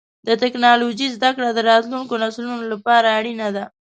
د ټکنالوجۍ زدهکړه د راتلونکو نسلونو لپاره اړینه ده.